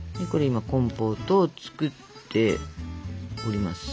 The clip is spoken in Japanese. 今コンポートを作っております。